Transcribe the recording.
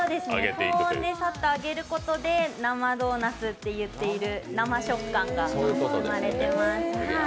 高温でさっと揚げることで生ドーナツと言われている生食感が生まれます。